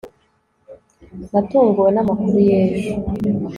natunguwe namakuru y'ejo